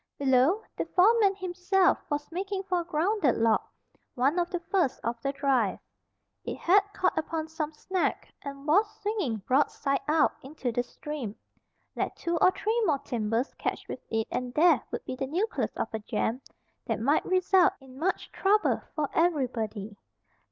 Below, the foreman himself was making for a grounded log, one of the first of the drive. It had caught upon some snag, and was swinging broadside out, into the stream. Let two or three more timbers catch with it and there would be the nucleus of a jam that might result in much trouble for everybody.